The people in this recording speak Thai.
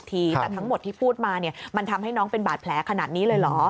แต่ทั้งหมดที่พูดมาเนี่ยมันทำให้น้องเป็นบาดแผลขนาดนี้เลยเหรอ